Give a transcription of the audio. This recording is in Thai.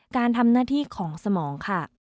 การทำหน้าที่ของสมองค่ะ